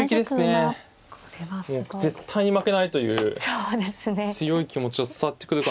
もう絶対に負けないという強い気持ちを伝わってくるかのような。